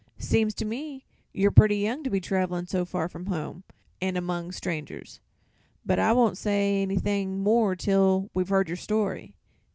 "Seems to me you're pretty young to be travelin' so far from home, an' among strangers; but I won't say anything more till we've heard your story.